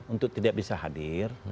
untuk tidak bisa hadir